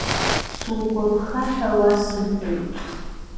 Сугәаԥха ҳәа уасымҳәеит…